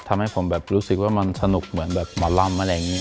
ทำให้ผมแบบรู้สึกว่ามันสนุกเหมือนแบบหมอลำอะไรอย่างนี้